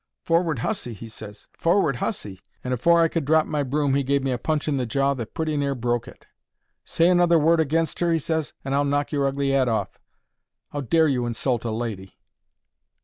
"Forward hussy!" he ses. "Forward hussy!" And afore I could drop my broom he gave me a punch in the jaw that pretty near broke it. "Say another word against her," he ses, "and I'll knock your ugly 'ead off. How dare you insult a lady?"